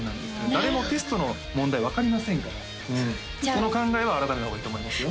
誰もテストの問題分かりませんからその考えは改めた方がいいと思いますよ